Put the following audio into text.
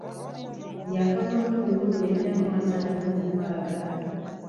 Yafa mu lukumi mu lwenda mu asatu mu mukaaga.